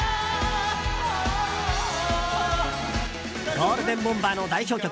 ゴールデンボンバーの代表曲